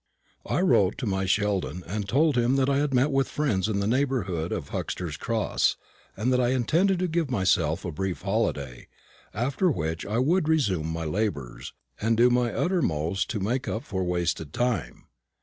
I wrote to my Sheldon, and told him that I had met with friends in the neighbourhood of Huxter's Cross, and that I intended to give myself a brief holiday; after which I would resume my labours, and do my uttermost to make up for wasted time.